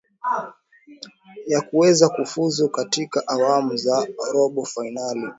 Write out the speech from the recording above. ya kuweza kufuzu katika awamu za robo fainali